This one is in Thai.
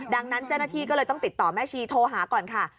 ดังนั้นเจ้าหน้าที่ก็เลยต้องติดต่อแม่ชีโทรหาก่อนค่ะ